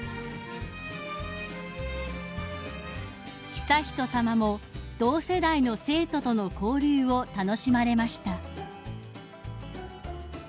［悠仁さまも同世代の生徒との交流を楽しまれました］